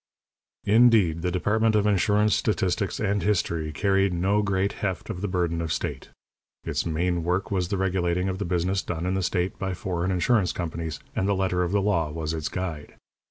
Indeed, the Department of Insurance, Statistics, and History carried no great heft of the burden of state. Its main work was the regulating of the business done in the state by foreign insurance companies, and the letter of the law was its guide.